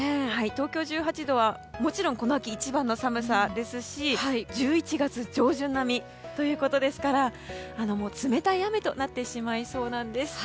東京１８度はもちろんこの秋一番の寒さですし、１１月上旬並みということですから冷たい雨となってしまいそうなんです。